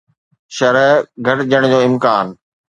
شرح گهٽجڻ جو امڪان